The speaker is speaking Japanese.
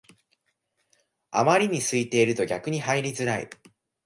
あまりに空いてると逆に入りづらい